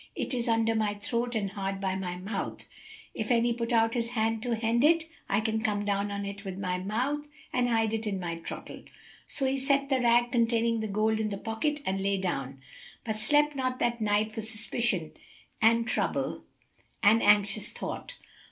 'Tis under my throat and hard by my mouth: if any put out his hand to hend it, I can come down on it with my mouth and hide it in my throttle." So he set the rag containing the gold in the pocket and lay down, but slept not that night for suspicion and trouble and anxious thought.